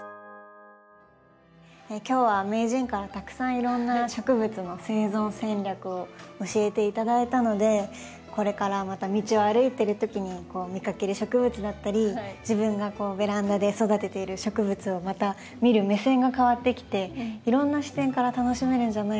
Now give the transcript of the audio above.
今日は名人からたくさんいろんな植物の生存戦略を教えて頂いたのでこれからまた道を歩いてるときに見かける植物だったり自分がベランダで育てている植物をまた見る目線が変わってきていろんな視点から楽しめるんじゃないかなと思いました。